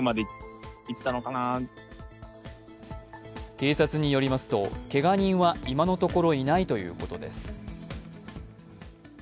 警察によりますとけが人は今のところいないということです。